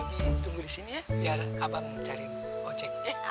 biar bang jali aja ya